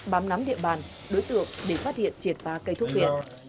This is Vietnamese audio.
bám nắm địa bàn đối tượng để phát hiện triệt phá cây thúc viện